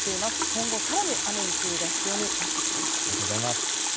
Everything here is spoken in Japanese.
今後、更に雨に注意が必要になってきます。